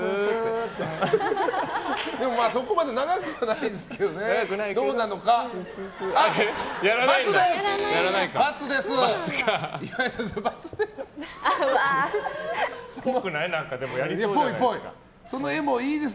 でも、そこまで長くはないですけどね。×です！